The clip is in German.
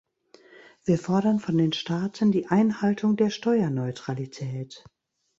Wir fordern von den Staaten die Einhaltung der Steuerneutralität.